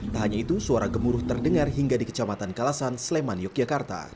tak hanya itu suara gemuruh terdengar hingga di kecamatan kalasan sleman yogyakarta